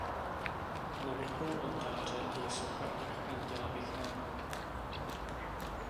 Na vrcholu oltáře je socha archanděla Michaela.